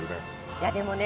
いやでもね